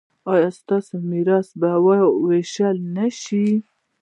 ایا ستاسو میراث به ویشل نه شي؟